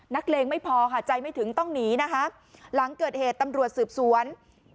เลงไม่พอค่ะใจไม่ถึงต้องหนีนะคะหลังเกิดเหตุตำรวจสืบสวน